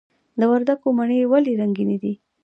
د وردګو مڼې ولې رنګینې دي؟